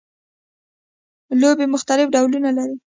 لوبیې مختلف ډولونه لري